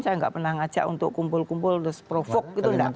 saya nggak pernah ngajak untuk kumpul kumpul terus provok gitu